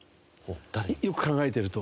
よく考えてると。